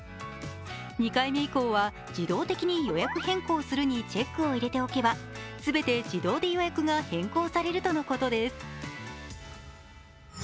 ２回目以降は自動的に予約変更するにチェックを入れておけば全て自動で予約が変更されるということです。